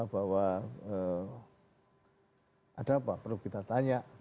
bahwa ada apa perlu kita tanya